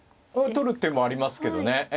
取る手もありますけどねええ。